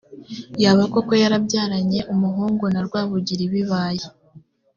yaba koko yarabyaranye umuhungu na rwabugiri bibaye